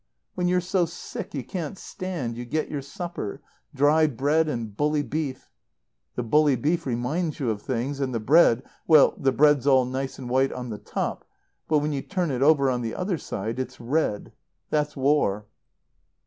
When you're so sick you can't stand you get your supper, dry bread and bully beef. The bully beef reminds you of things, and the bread well, the bread's all nice and white on the top. But when you turn it over on the other side it's red. That's war."